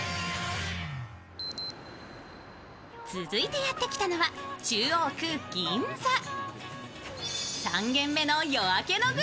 続いてやってきたのは中央区銀座。